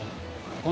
これ。